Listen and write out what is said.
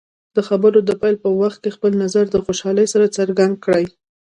د خبرو د پیل په وخت کې خپل نظر د خوشحالۍ سره څرګند کړئ.